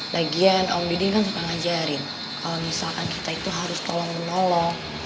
lagian om bidding kan suka ngajarin kalau misalkan kita itu harus tolong menolong